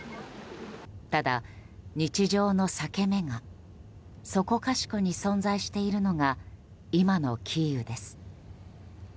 ただ、日常の裂け目がそこかしこに存在しているのが今のキーウです。